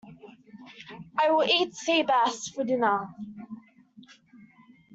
I will eat sea bass for dinner.